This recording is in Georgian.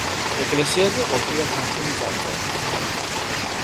ეკლესიაზე ყოფილა ქართული წარწერა.